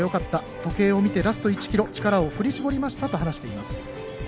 時計を見てラスト１ｋｍ力を振り絞りましたと話しています。